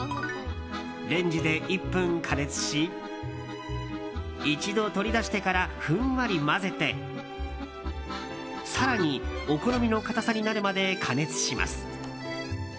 レンジで１分加熱し一度取り出してからふんわり混ぜて更に、お好みの硬さになるまで加熱します。